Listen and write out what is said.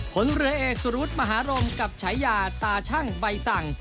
ผลเรือเอกสุรวุฒิมหารมกับฉายาตาชั่งใบสั่ง